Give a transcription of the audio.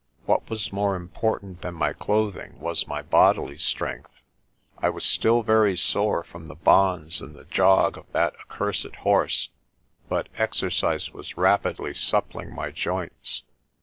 What was more important than my clothing was my bodily strength. I was still very sore from the bonds and the jog of that accursed horse, but exercise was rapidly suppling my joints.